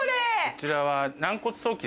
そちらは。